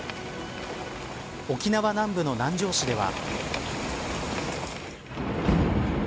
沖縄南部の南城市では。